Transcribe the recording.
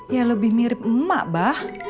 ya lebih mirip emak bah